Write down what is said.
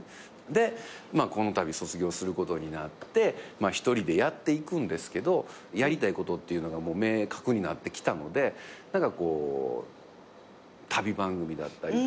でこのたび卒業することになって１人でやっていくんですけどやりたいことっていうのが明確になってきたので何かこう旅番組だったりとか。